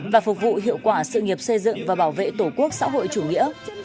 và phục vụ hiệu quả sự nghiệp xây dựng và bảo vệ tổ quốc xã hội chủ nghĩa